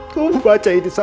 kau baca ini sam